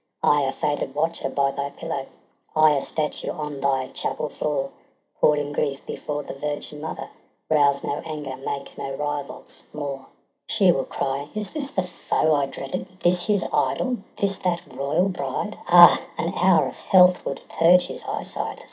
I, a faded watcher by thy pillow, I, a statue on thy chapel floor, Pour'd in grief before the Virgin Mother, Rouse no anger, make no rivals more. p 2 212 TRISTRAM AND ISEULT, She will cry: 'Is this the foe I dreaded? This his idol? this that royal bride? Ah, an hour of health would purge his eyesight